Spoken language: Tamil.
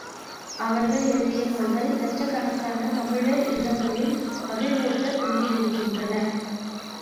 அவர்கள் எழுதிய நூல்கள் இலட்சக் கணக்கான தமிழர் இல்லங்களில் மகிழ்வூட்டிக் கொண்டிருக்கின்றன.